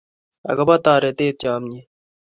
Agobo toretet, chamnyet,